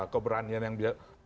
keberanian yang biasa